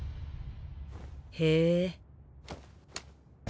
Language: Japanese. へえ。